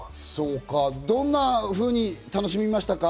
どんなふうに楽しみましたか？